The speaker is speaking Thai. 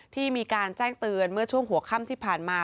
ที่มีการแจ้งเตือนเมื่อช่วงหัวค่ำที่ผ่านมา